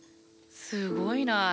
すごいな。